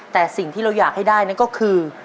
แต่สิ่งที่เราอยากให้ได้นั่นก็คือ